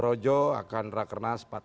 dan juga bisa menghasilkan pemerintahan yang kuat